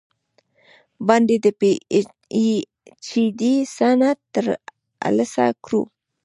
باندې د پې اي چ ډي سند تر السه کړو ۔